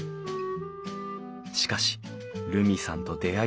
しかし瑠実さんと出会い